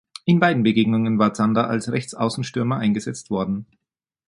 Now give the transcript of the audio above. In beiden Begegnungen war Zander als Rechtsaußenstürmer eingesetzt worden.